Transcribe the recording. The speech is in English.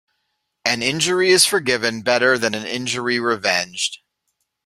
An injury is forgiven better than an injury revenged.